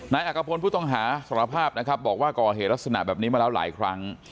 อักกะพลผู้ต้องหาสารภาพนะครับบอกว่าก่อเหตุลักษณะแบบนี้มาแล้วหลายครั้ง